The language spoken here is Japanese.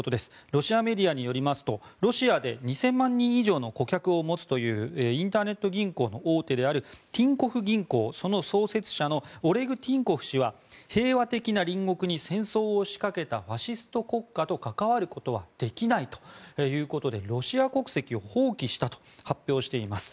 ロシアメディアによりますとロシアで２０００万人以上の顧客を持つというインターネット銀行の大手であるティンコフ銀行、その創設者のオレグ・ティンコフ氏は平和的な隣国に戦争を仕掛けたファシスト国家と関わることはできないということでロシア国籍を放棄したと発表しています。